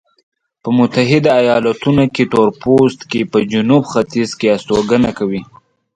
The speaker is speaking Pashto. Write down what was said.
په متحده ایلاتونو کې تورپوستکي په جنوب ختیځ کې استوګنه کوي.